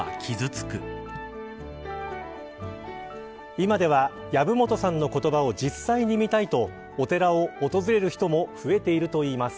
今では籔本さんの言葉を実際に見たいとお寺を訪れる人も増えているといいます。